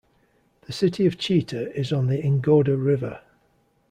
The city of Chita is on the Ingoda River.